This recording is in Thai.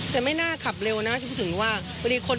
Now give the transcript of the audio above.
แต่ที่ว่าไม่เห็นเหตุการณ์ตรงนั้น